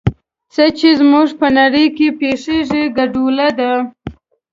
څه چې زموږ په نړۍ کې پېښېږي ګډوله ده.